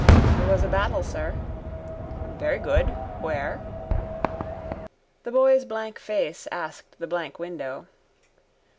—There was a battle, sir. —Very good. Where? The boy's blank face asked the blank window.